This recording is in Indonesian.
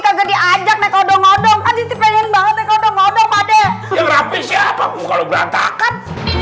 kaget diajak nekodong odong adik pengen banget kodong odong pade rapi siapa kalau berantakan